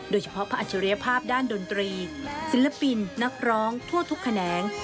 โดยเฉพาะพระอัจฉริยภาพด้านดนตรีศิลปินนักร้องทั่วทุกแขนง